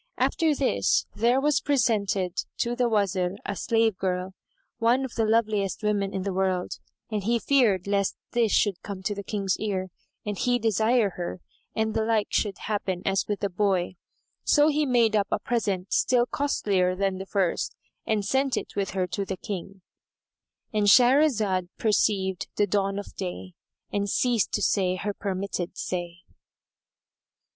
After this, there was presented to the Wazir a slave girl, one of the loveliest women in the world, and he feared lest this should come to the King's ears and he desire her, and the like should happen as with the boy. So he made up a present still costlier than the first and sent it with her to the King,——And Shahrazad perceived the dawn of day and ceased to say her permitted say.